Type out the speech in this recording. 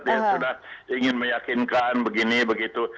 dia sudah ingin meyakinkan begini begitu